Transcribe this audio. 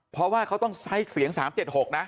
เพราะว่าเขาต้องใช้เสียง๓๗๖นะ